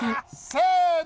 せの。